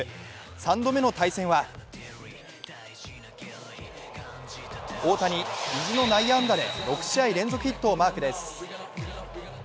３度目の対戦は大谷、意地の内野安打で６試合連続ヒットをマークです。